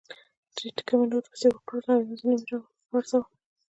درې ټکه مې نور پسې وکړل او یو مې ځنې را و پرځاوه.